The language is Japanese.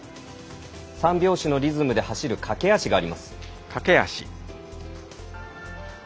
３拍子のリズムで走る駈歩があります。